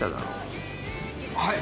はい！